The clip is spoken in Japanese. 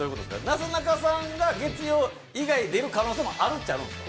なすなかさんが月曜日以外に出る可能性もあるんやないですか。